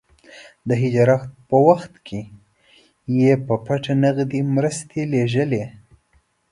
د هجرت په وخت کې يې په پټه نغدې مرستې لېږلې.